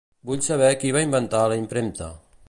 Vull saber qui va inventar la impremta.